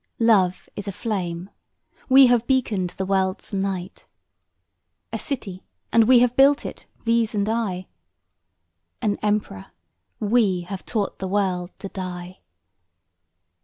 Love is a flame; we have beaconed the world's night. A city: and we have built it, these and I. An emperor: we have taught the world to die.